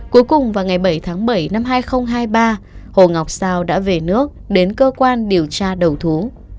cuối cùng vào ngày bảy tháng bảy năm hai nghìn hai mươi ba hồ ngọc sao đã về nước đến cơ quan điều tra đầu thú